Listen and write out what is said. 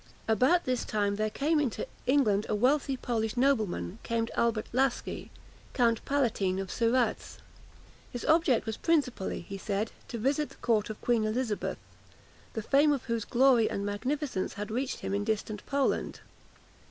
About this time there came into England a wealthy polish nobleman, named Albert Laski, Count Palatine of Siradz. His object was principally, he said, to visit the court of Queen Elizabeth, the fame of whose glory and magnificence had reached him in distant Poland.